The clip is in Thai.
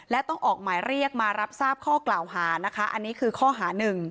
และต้องออกหมายเรียกมารับทราบข้อกล่าวหานะคะอันนี้คือข้อหาหนึ่ง